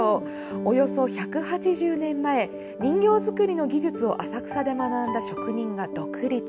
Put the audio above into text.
およそ１８０年前、人形作りの技術を浅草で学んだ職人が独立。